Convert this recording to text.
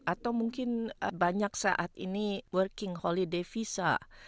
atau mungkin banyak saat ini working holiday visa